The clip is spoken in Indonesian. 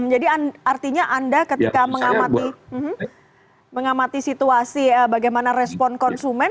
jadi artinya anda ketika mengamati situasi bagaimana respon konsumen